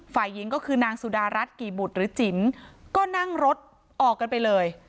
ฝ่ายหญิงก็คือนางสุดารัฐกี่บุตรหรือจิ๋มก็นั่งรถออกกันไปเลย